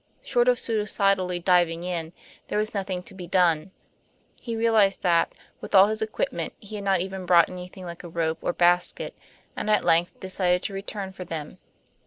Short of suicidally diving in, there was nothing to be done. He realized that, with all his equipment, he had not even brought anything like a rope or basket, and at length decided to return for them.